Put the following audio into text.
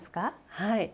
はい。